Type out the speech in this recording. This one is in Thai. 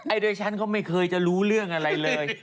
ดิฉันก็ไม่เคยจะรู้เรื่องอะไรเลย